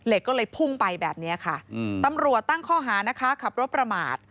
ก็เลยพุ่งไปแบบนี้ค่ะตำรวจตั้งข้อหานะคะขับรถประมาท